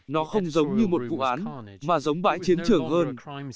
nó không giống như một vụ án mà giống bãi chiến trường hơn